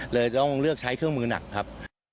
เลยต้องเลือกใช้เครื่องมือหนักครับ